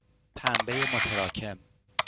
پنبهی متراکم